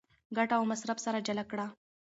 ګټه او مصرف سره جلا کړه.